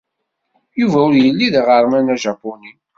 Yuba ur yelli d aɣerman ajapuni.